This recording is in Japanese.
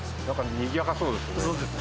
にぎやかそうですね。